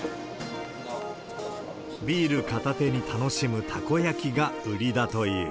ビール片手に楽しむたこ焼きが売りだという。